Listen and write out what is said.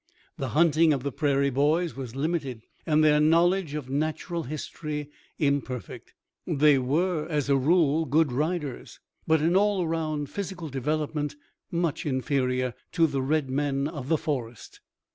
The hunting of the prairie boys was limited and their knowledge of natural history imperfect. They were, as a rule, good riders, but in all round physical development much inferior to the red men of the forest.